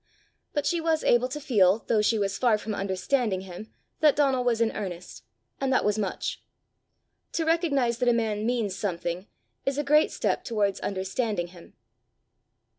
But she was able to feel, though she was far from understanding him, that Donal was in earnest, and that was much. To recognize that a man means something, is a great step towards understanding him.